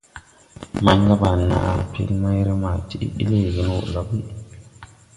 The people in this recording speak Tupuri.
Màygabaa na pel mayrè ma bi leegen wo la ɓuy.